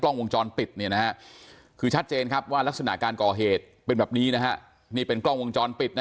วงจรปิดเนี่ยนะฮะคือชัดเจนครับว่ารักษณะการก่อเหตุเป็นแบบนี้นะฮะนี่เป็นกล้องวงจรปิดนะ